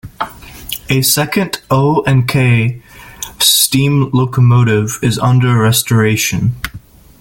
A second O and K steam locomotive is also under restoration.